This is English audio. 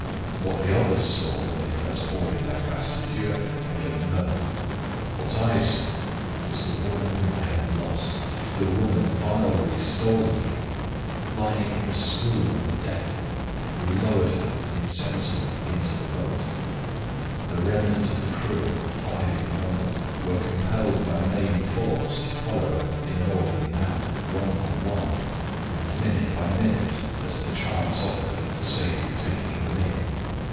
What the others saw when they first boarded La Grace de Dieu I don't know; what I saw was the woman whom I had lost, the woman vilely stolen from me, lying in a swoon on the deck. We lowered her, insensible, into the boat. The remnant of the crew five in number were compelled by main force to follow her in an orderly manner, one by one, and minute by minute, as the chance offered for safely taking them in.